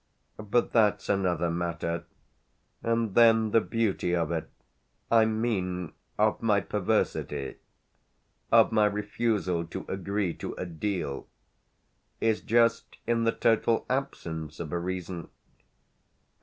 But that's another matter. And then the beauty of it I mean of my perversity, of my refusal to agree to a 'deal' is just in the total absence of a reason.